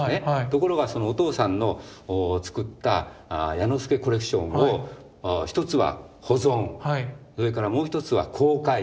ところがお父さんの作った彌之助コレクションを一つは保存それからもう一つは公開。